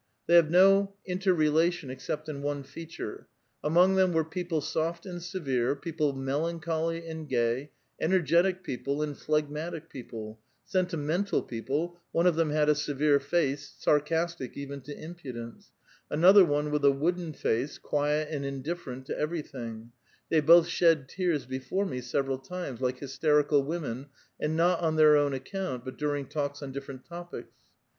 They have no inter relation, except in one feature. Among them were people soft and severe, people melancholy and gay, energetic people and phlegmatic people, sentimental people (one of tiiom had a severe face, sarcastic even to impudence ; another one, with a wooden face, quiet and indifferent to everything ; they both shed tears before me several times, like hysterical women, and not on their own account, but during talks on different topics.